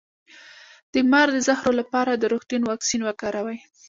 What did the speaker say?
د مار د زهر لپاره د روغتون واکسین وکاروئ